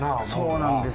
そうなんですよ。